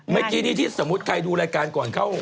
เมื่อกี้นี้ที่สมมุติใครดูรายการก่อนเข้า